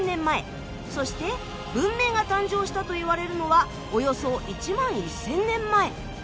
そして文明が誕生したといわれるのはおよそ１万１，０００年前。